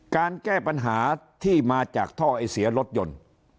การแก้ปัญหาที่มาจากท่อไอเสียรถยนต์